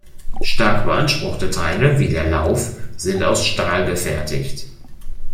Stark beanspruchte Teile wie der Lauf sind aus Stahl gefertigt.